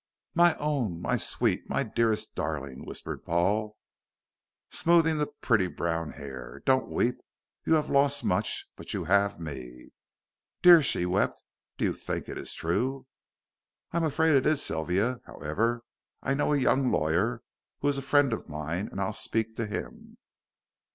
"My own, my sweet, my dearest darling," whispered Paul, smoothing the pretty brown hair, "don't weep. You have lost much, but you have me." "Dear," she wept, "do you think it is true?" "I am afraid it is, Sylvia. However, I know a young lawyer, who is a friend of mine, and I'll speak to him."